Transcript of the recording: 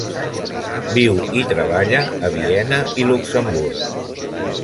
Viu i treballa a Viena i Luxemburg.